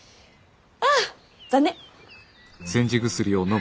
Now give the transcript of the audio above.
ああ残念！